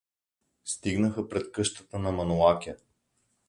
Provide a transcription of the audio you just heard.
Стигнаха пред къщата на Манолакя.